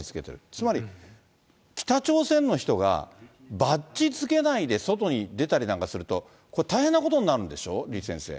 つまり北朝鮮の人がバッジつけないで外に出たりなんかするとこれ大変なことになるんでしょう、李先生。